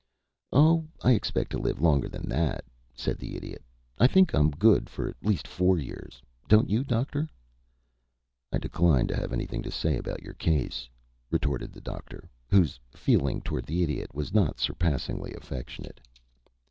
"Oh, I expect to live longer than that," said the Idiot. "I think I'm good for at least four years. Don't you, Doctor?" "I decline to have anything to say about your case," retorted the Doctor, whose feeling towards the Idiot was not surpassingly affectionate.